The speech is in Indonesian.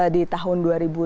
di tahun dua ribu delapan belas